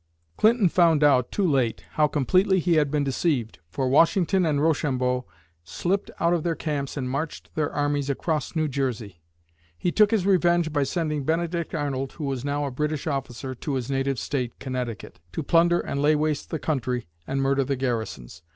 Clinton found out, too late, how completely he had been deceived, for Washington and Rochambeau slipped out of their camps and marched their armies across New Jersey! He took his revenge by sending Benedict Arnold, who was now a British officer, to his native State, Connecticut, to plunder and lay waste the country and murder the garrisons.